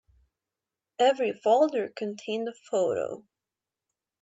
Every folder contained a photo.